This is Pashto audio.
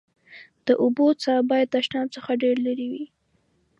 د اوبو څاه باید تشناب څخه ډېر لېري وي.